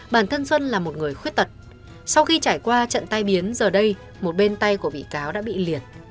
bản thân xuân là một người khuyết tật sau khi trải qua trận tai biến giờ đây một bên tay của bị cáo đã bị liệt